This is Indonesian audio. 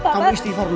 kamu istighfar dulu